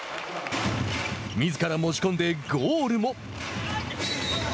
みずから持ち込んでゴールも。